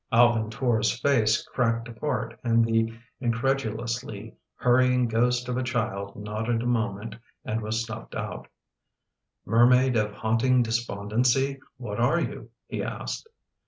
Alvin Tor's face cracked apart and the incredulously hurrying ghost of a child nodded a moment and was snuffed out. " Mermaid of haunting despondency, what are you? " he asked.